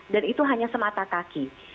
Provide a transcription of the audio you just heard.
dan itu hanya semata kaki